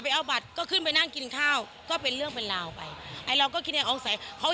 เขาบอกเขาคิดตามภาพเอาเครียดให้อภัย